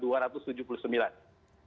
ya itu sudah memenuhi